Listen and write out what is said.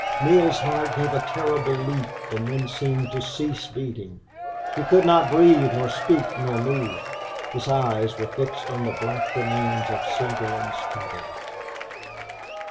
Neale's heart gave a terrible leap and then seemed to cease beating. He could not breathe nor speak nor move. His eyes were fixed on the black remains of Slingerland's cabin.